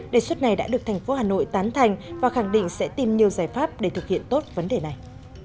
đề xuất này đã được thành phố hà nội tán thành và khẳng định sẽ tìm nhiều giải pháp để thực hiện tốt vấn đề này